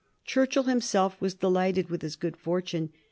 Churchill himself was delighted with his good fortune.